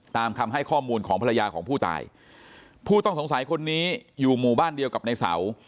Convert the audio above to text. ตามคำให้ข้อมูลของภรรยาของผู้ตายผู้ต้องสงสัยคนนี้อยู่หมู่บ้านเดียวกับในเสา